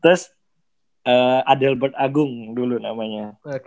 terus adelbert agung dulu namanya